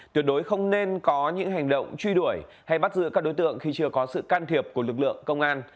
tuyệt đối không nên có những hành động truy đuổi hay bắt giữ các đối tượng khi chưa có sự can thiệp của lực lượng công an